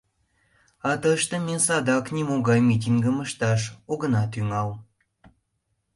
А тыште ме садак нимогай митингым ышташ огына тӱҥал.